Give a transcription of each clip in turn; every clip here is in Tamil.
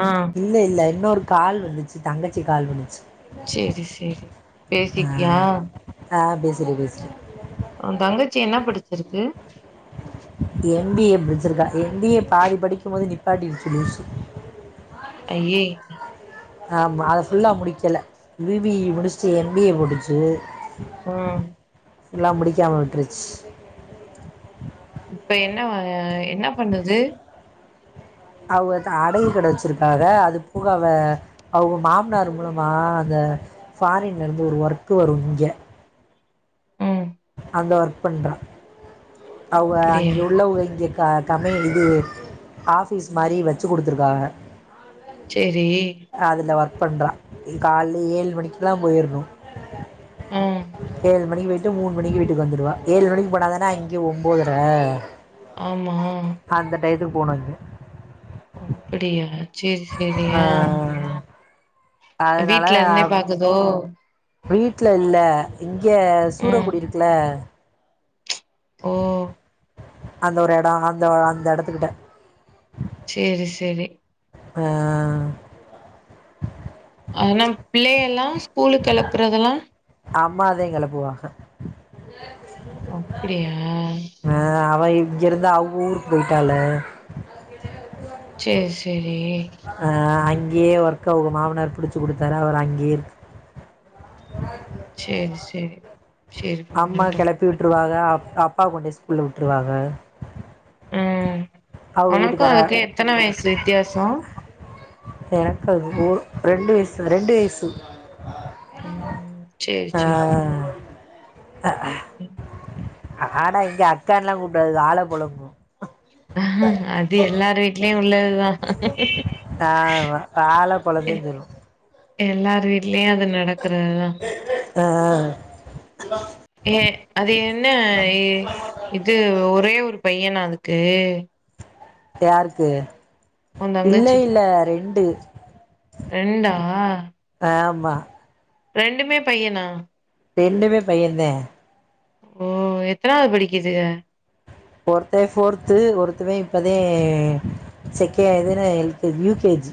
ஆ இல்ல இல்ல இன்னொரு கால் வந்துச்சு தங்கச்சி கால் வந்துச்சு சேரி சேரி சே ஆ பேசிட்டியா ஆ பேசிட்ட பேசிட்ட உந் தங்கச்சி என்ன படிச்சிருக்கு எம் பி ஏ படிச்சிருக்கா எம் பி ஏ பாதி படிக்கும் போது நிப்பாட்டிருச்சு லூசு ஐய்யே ஆமா அத ஃபுல்லா முடிக்கல பி பி இ முடிச்ட்டு எம் பி ஏ முடிச்சு ம் எல்லாம் முடிக்காம விட்டுருச் இப்ப என்ன என்ன பண்ணுது அவ அடகு கட வச்சிருக்காக அது பூக அவ அவக மாமனாரு மூலமா இந்த ஃபாரின்ல இருந்து ஒரு ஒர்க்கு வரும் இங்க ம் அந்த ஒர்க் பண்றா அவக அப்டியா அங்க உள்ளவக இங்க க கம்பெனி இது ஆஃபீஸ் மாரி வச்சு குடுத்திருக்காக சேரி அதில ஒர்க் பண்றா கால்ல ஏலு மணிக்கலாம் போயர்னு ஆ ஏலு மணிக்கு போயிட்டு மூணு மணிக்கு வீட்டுக்கு வந்துருவா ஏலு மணிக்கு போனாதான அங் க ஒம்போதற ஆமா அந்த டையத்துக்கு போனு வந்து அப்படியா சேரி சேரி அ வீட்ல இருந்தே பாக்குதோ வீட்ல இல்ல இங்க ம் சூரக்குடி இருக்குல ஓ அந்த ஒரு எடோ அந்த அந்த எடத்துகிட்ட சேரி சேரி ஆ ஆனா பிள்ளே எல்லா ஸ்கூலுக் கெலப்புறதெல்லா அம்மாதே கெலப்புவாக அப்டியா ஆ அவ இங்க இருந்து அவ்வோ ஊருக்கு போயிட்டால சேரி சேரி அ அங்கயே ஒர்க் அவக மாவனார் புடிச்சு குடுத்தாரு அவர் அங்கயே இருக் சேரி சேரி சேரி அம்மா பண்ணட்டு கெளப்பி விட்டுருவாக அப்பா கொண்டே ஸ்கூல்ல விட்டுருவாக அ எனக்கு அதுக்கு எத்தன வயசு வித்தியாசோ எனக்கு அதுக்கு ஓ ரெண்டு வயசு ரெண்டு வயசு ம் சேரி சேரி அ அ ஆனா இங்க அக்கான்ல்லா கூப்டாதுக ஆலப்போல அது எல்லார் வீட்லயு உள்ளது ஆளை எ புலங்குன்னு சொல்லும் எல்லார் வீட்லயு அது நடக்றதுதா ஆ ஆ ஏ அது என்ன இது ஒரே ஒரு பையன்னா அதுக்கு யாருக்கு உந்தங்கச்சிக்கி ஆ ரெண்டு ரெண்டா ஆமா ரெண்டுமே பையனா ரெண்டுமே பையேந்தே ஓ எத்தனாவது படிக்குதுக ஒர்த்தே ஃபோர்த்து ஒருத்தவே இப்பதே செக்கே இதென்ன எல் கேஜி யூகேஜி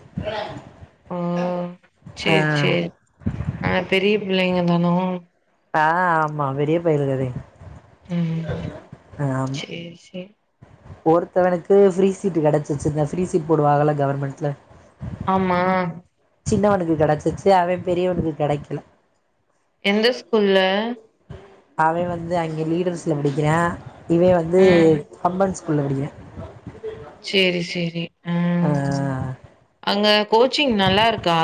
ஓ ஆ செரி செரி ஆனா பெரிய பிள்ளைங்கதானோ ஆ ஆமா பெரியபயலுகதே ஆமா செர் செரி ஒருத்தவனுக்கு ஃப்ரீ சீட் கெடச்சிச்சி இந்த ஃப்ரீ சீட் போடுவாகள கவர்மெண்ட்ல ஆமா சின்னவனுக்கு கெடச்சிச்சி அவே பெரியவனுக்கு கெடைக்கல எந்த ஸ்கூல்ல அவே வந்து அங்கே லீடர்ஸ்ல படிக்கிறா இவ வந்து ம் கம்பன் ஸ்கூல்ல படிக்கிறா செரி செரி ம ஆ அங்க கோச்சிங் நல்லாருக்கா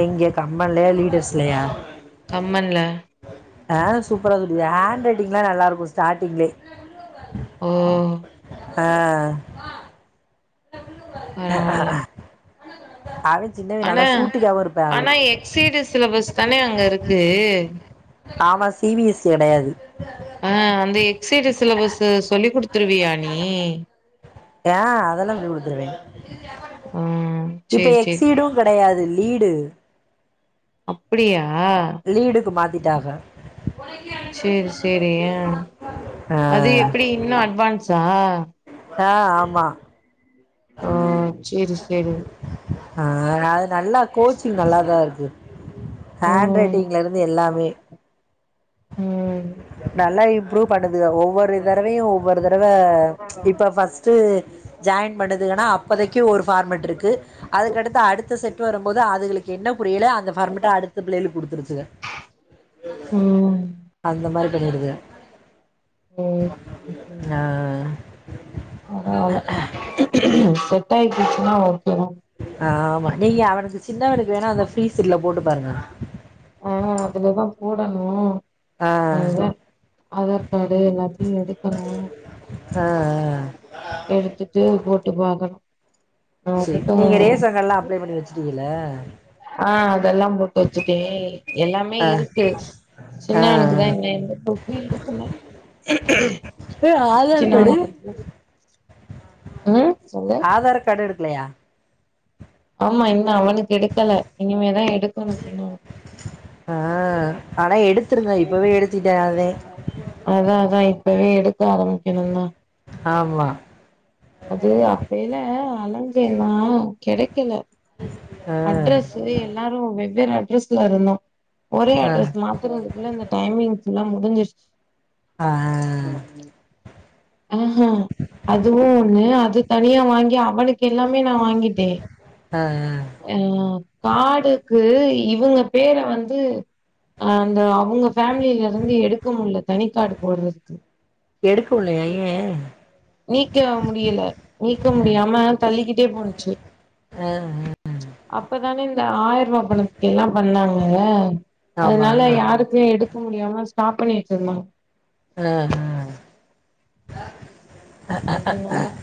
எங்கே கம்பன்லையா லீடர்ஸ்லையா கம்பன்ல ஆ சூப்பரா சொல்லிதராங் ஹேண்ட் ரைட்டிங்லா நல்லா இருக்கோ ஸ்டாட்டிங்லே ம் ஆ பரவால்ல. அவேன் சின்னவ நல்லா சூட்டிக்காவூ இருப்பே ஆளு சீ டிஸ் சிலபஸ்தானே அங்க இருக்கு ஆமா சீ பீ யஸ் கிடையாது ஆ அந்த எக்ஸ்சீடிஸ் சிலபஸ்சு சொல்லி குடுத்துருவிய நீ ஏ அதெல்லாம் சொல்லி குடுத்துருவே ம். இப்ப சேரி, சேரி. எக்ஸ்சீடும் கிடையாது லீடு அப்படியா லீடுக்கு மாத்திட்டாக செரி செரி அ அது ஆ எப்புடி இன்னூ அட்வான்ஸா ஆ ஆமா ஆ செரி செரி ஆ அது நல்லா கோச்சிங் நல்லாதா இருக்கு ஹேண்ட் ம், ரைட்டிங்ல இருந்து எல்லாமே ம் நல்லா இம்ப்ரூவ் பண்ணுதுக ஒவ்வொரு தரவையும் ஒவ்வொரு தரவ இப்ப ஃபர்ஸ்ட்டு ஜாயின் பண்ணதுகன்னா அப்போதைக்கு ஒரு ஃபார்மெட் இருக்கு அதுக்கடுத்து அடுத்த செட்டு வரும்போது அதுகளுக்கு என்ன புரியலயோ அந்தப் ஃபார்மட்ட அடுத்த புள்ளைகளுக்கு குடுத்துருச்சுக ம் அந்த மாதிரி பண்ணிடுதுக சேரி, சேரி. ஆ பரவால்ல செட் ஆயி போய்ட்ச்சுன்னா ஓகே தா ஆமா நீங்க அவனுக்கு சின்னவனுக்கு வேணா அந்த ஃப்ரீ சீட்ல போட்டு பாருங்க ஆ அதுலதா போடணும் ஆ ஆதார் கார்டு எல்லாத்தையூ எடுக்கணோ ஆ ஆ. எடுத்துட்டு போட்டு பாக்கணோ சேரி நீங்க ரேசன் கார்ட்ல்லா அப்ளை பண்ணி வச்சுட்டீங்க ‌இல்ல ஆ அதெல்லா போட்டு வச்சுட்டோ எல்லாமே இருக்கு ஆ சின்னவனுக்குதா இன்னூ எந்த புரூஃப் எடுக்கல ஏய், ஆதார் கார்டு சின்னவனுக்கு புரூஃப்ஸ் உஹ் சொல்லு ஆதார் கார்டு எடுக்கலையா ஆமா இன்னூ அவனுக்கு எடுக்கல இனிமேதா எடுக்கோனோ சின்னவனுக்கு ஆஹ் அட எடுத்திருங்க இப்பவே எடுத்துட்டாதே அதா அதா இப்பவே எடுக்க ஆரம்பிக்கணூ தா ஆமா அது அப்பல்லா அலஞ்சேனா கெடைக்கல ஆ அட்ரஸ் எல்லாரு வெவ்வேறு அட்ரஸ்ல இருந்தோ ஒரே ஆ அட்ரஸ் மா த்துறதுக்குள்ள இந்த டைமிங்ஸ்ல முடிஞ்சிருச்சு ஆ ம் அதுவு ஒண்ணு அது தனியா வாங்கி அவனுக்கு எல்லாமே நா வாங்கிட்டே ஆ ஆ அ கார்டுக்கு இவங்க பேர வந்து அந்த அவங்க ஃபேமிலியில இருந்து எடுக்க முடில தனிக்கார்டு போட்றதுக்கு எடுக்க முடிலயா? ஏ நீக்க முடியல நீக்க முடியாம தள்ளிக்கிட்டே போணுச்சு ஆ அப்பதான இந்த ஆயிரரூபா பணத்துக்கு எல்லா பண்ணாங்க ஆமா அதனால ஆ யாரு க்கு எடுக்க முடியாம ஸ்டாப் பண்ணி வெச்சுருந்தாங்க ஆ அ அதனால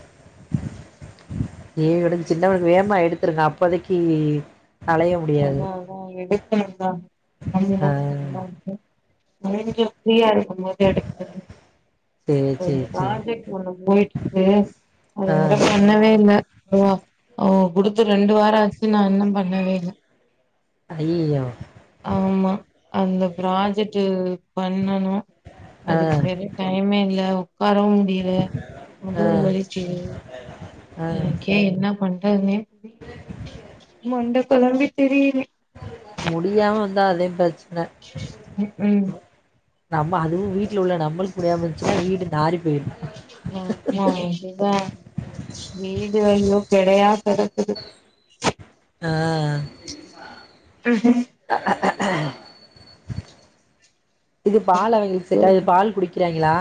ஏய் அவனுக்கு சின்னவனுக்கு வேகமா எடுத்திருங்க அப்போதைக்கு அலைய முடியாது அதா அதா எடுக்கணுதா ஆ அவங்களு சொன்னாங்க கொஞ்சோ ஃப்ரீயா இருக்கும் போது எடுத்து சேரி ஒரு சேரி சேரி ப்ராஜெக்ட் ஒண்ணு போயிட்டு இருக்கு அது ஆ வேற பண்ணவே இல்ல அ அவங்க குடுத்து ரெண்டு வார ஆச்சு நா இன்னு பண்ணவே இல்ல அய்யய்யோ ஆமா அந்த ப்ராஜெக்ட் பண்ணனு ஆ அதுக்கு வேற டைமே இல்ல உக்காரவு முடியல ஆ முதுகு வலிக்கிது ஆ எனக்கே என்ன பண்றதுன்னே தெரில, மண்ட கொழம்பி திரியிற முடியாம வந்தா அதா பிரச்சன ம், ம் நம்ம அதுவு வீட்ல உள்ள நம்மளுக்கு முடியாம இருந்துச்னா வீடு நாரி போயிடு ஆமா இதுதா வீடு வேலையு கெடையா கெடக்கு ஆ அ இது பால் அவங்களுக்கு செட்டாயி பால் குடிக் கிறாங்களா